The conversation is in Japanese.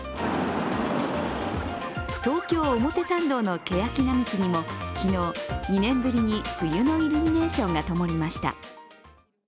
東京・表参道のけやき並木にも昨日、２年ぶりに冬のイルミネーションがともりました。